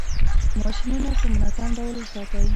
ماشینونه په منظم ډول وساتئ.